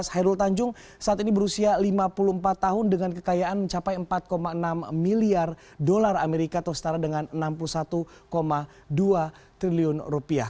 hairul tanjung saat ini berusia lima puluh empat tahun dengan kekayaan mencapai empat enam miliar dolar amerika atau setara dengan enam puluh satu dua triliun rupiah